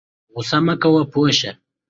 غوسه مه کوه پوه شه